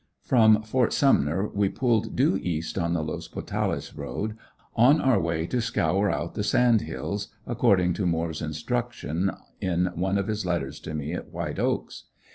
From Ft. Sumner we pulled due east on the Los Potales road, on our way to scour out the "Sand Hills" according to Moore's instruction in one of his letters to me at White Oaks.